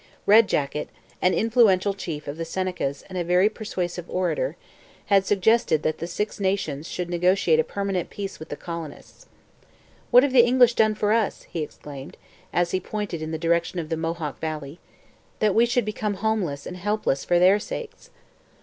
Red jacket, an influential chief of the Senecas and a very persuasive orator, had suggested that the Six Nations should negotiate a permanent peace with the colonists. 'What have the English done for us,' he exclaimed, as he pointed in the direction of the Mohawk valley, 'that we should become homeless and helpless for their sakes?'